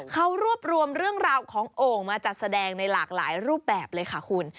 เขารวบรวมเรื่องราวของโอ่งมาจัดแสดงในหลากหลายรูปแบบเลยค่ะคุณ